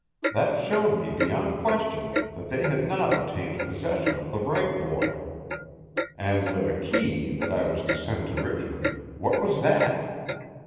That showed me beyond question that they had not obtained possession of the right boy. And the "key" that I was to send to Richmond, what was that?